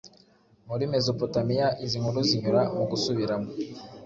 muri Mezopotamiya Izi nkuru zinyura mu gusubiramo